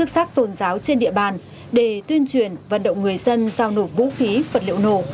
xác tôn giáo trên địa bàn để tuyên truyền vận động người dân giao nộp vũ khí vật liệu nổ